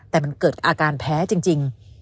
แต่มันเกิดอาการแพ้จริง